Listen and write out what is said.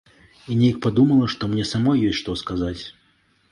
І неяк падумала, што мне самой ёсць што сказаць.